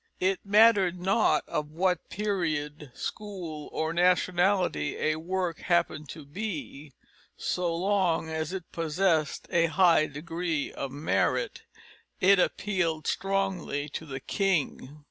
It mattered not of what period, school, or nationality a work happened to be, so long as it possessed a high degree of merit, it appealed strongly to the king.